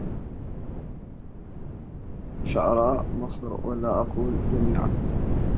شعراء مصر ولا أقول جميعكم